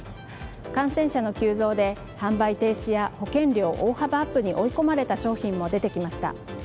感染者の急増で販売停止や保険料大幅アップに追い込まれた商品も出てきました。